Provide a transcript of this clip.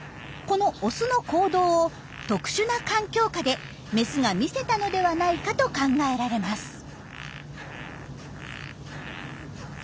このオスの行動を特殊な環境下でメスが見せたのではないかと考えられます。